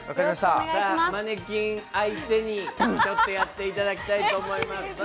マネキン相手にやっていただきたいと思います。